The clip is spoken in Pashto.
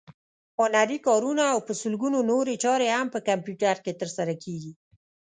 هنري کارونه او په سلګونو نورې چارې هم په کمپیوټر کې ترسره کېږي.